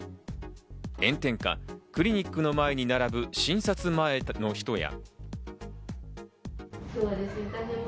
炎天下、クリニックの前に並ぶ診察前の人や。